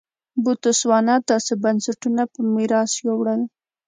بوتسوانا داسې بنسټونه په میراث یووړل.